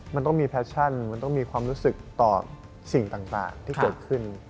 มันต้องมีแฟชั่นมันต้องมีความรู้สึกต่อสิ่งต่างที่เกิดขึ้น